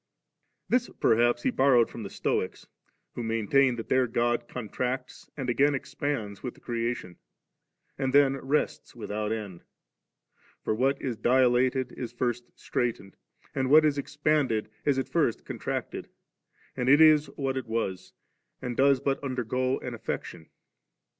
This perhaps he* borrowed from the Stoics, who maintain that their God contracts and again expands with the creation, and then rests without end. For what is dilated is first straitened ; and what is expanded is at first contracted ; and it is what it was, and does but undergo an affection.